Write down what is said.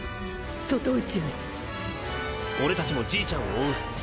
外宇宙へ俺たちもじいちゃんを追う。